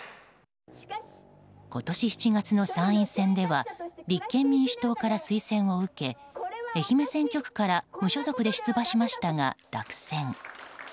今年７月の参院選では立憲民主党から推薦を受け愛媛選挙区から無所属で出馬しましたが、落選。